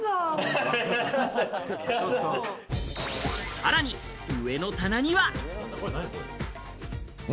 さらに上の棚には。